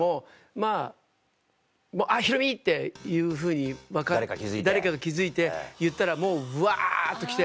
まぁ「あっひろみ！」っていうふうに誰かが気付いて言ったらもうぶわっと来て。